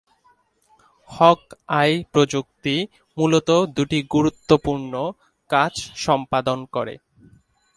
Hawk-Eye প্রযুক্তি মুলত দুটি গুরুত্বপূর্ণ কাজ সম্পাদন করে।